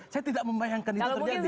saya tidak membayangkan itu terjadi